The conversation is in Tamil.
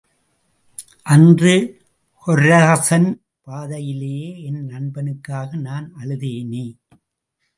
அன்று கொரசான் பாதையிலே, என் நண்பனுக்காக நான் அழுதேனே.